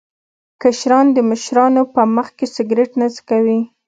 کشران د مشرانو په مخ کې سګرټ نه څکوي.